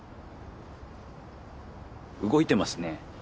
動いてますね。